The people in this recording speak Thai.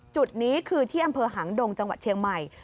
จุดนี้คือที่อำเภอหางดงจังหวัดเชียงใหม่